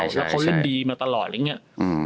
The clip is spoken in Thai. แล้วเขาเล่นดีมาตลอดอะไรอย่างนี้